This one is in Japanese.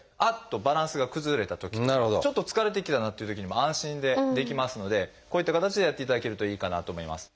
とバランスが崩れたときとかちょっと疲れてきたなっていうときにも安心でできますのでこういった形でやっていただけるといいかなと思います。